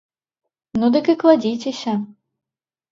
Ну, дык і кладзіцеся.